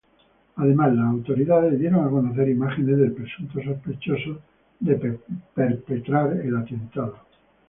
Además, las autoridades dieron a conocer imágenes del presunto sospechoso de perpetrar el atentado.